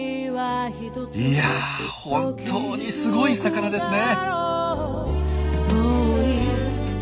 いや本当にすごい魚ですね！